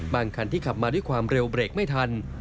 คันที่ขับมาด้วยความเร็วเบรกไม่ทัน